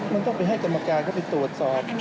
มันต้องไปให้กรรมการเข้าไปตรวจสอบ